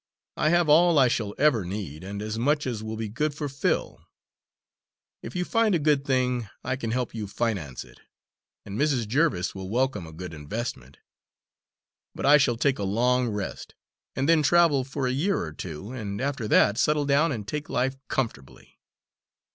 I have all I shall ever need, and as much as will be good for Phil. If you find a good thing, I can help you finance it; and Mrs. Jerviss will welcome a good investment. But I shall take a long rest, and then travel for a year or two, and after that settle down and take life comfortably."